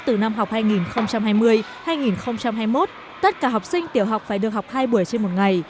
từ năm học hai nghìn hai mươi hai nghìn hai mươi một tất cả học sinh tiểu học phải được học hai buổi trên một ngày